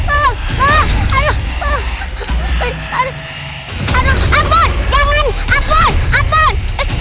aduh ampun jangan ampun ampun